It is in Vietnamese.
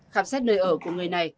khám xét nơi ở của người này